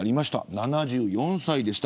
７４歳でした。